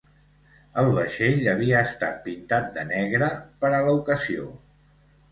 El vaixell havia estat pintat de negre per a l'ocasió.